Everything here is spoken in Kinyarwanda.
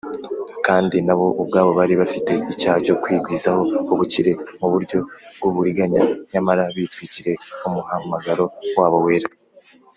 kandi nabo ubwabo bari bafite icyaha cyo kwigwizaho ubukire mu buryo bw’uburiganya nyamara bitwikiriye umuhamagaro wabo wera